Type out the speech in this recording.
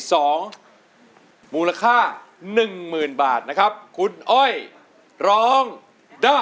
จับมือประคองขอร้องอย่าได้เปลี่ยนไป